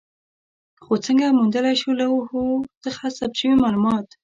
خو څنګه موندلای شو لوحو کې ثبت شوي مالومات؟